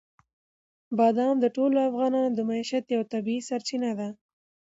بادام د ټولو افغانانو د معیشت یوه طبیعي سرچینه ده.